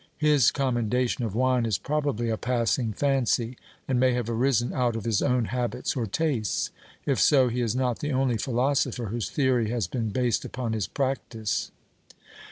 His commendation of wine is probably a passing fancy, and may have arisen out of his own habits or tastes. If so, he is not the only philosopher whose theory has been based upon his practice.